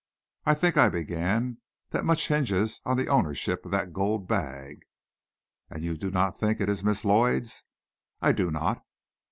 "I think," I began, "that much hinges on the ownership of that gold bag." "And you do not think it is Miss Lloyd's?" "I do not."